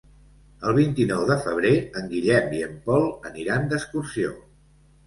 El vint-i-nou de febrer en Guillem i en Pol aniran d'excursió.